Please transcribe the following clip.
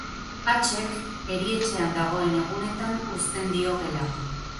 Hatxek erietxean dagoen egunetan uzten dio gela.